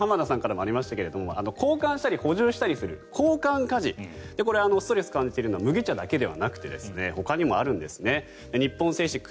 先ほど浜田さんからもありましたが交換したり補充したりする交換家事ストレスを感じているのは麦茶だけではなくてほかにもあるんですね。